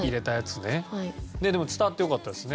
でも伝わってよかったですね。